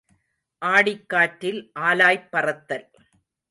ஆடிக் காற்றில் ஆலாய்ப் பறத்தல்.